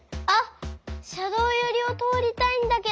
しゃどうよりをとおりたいんだけど。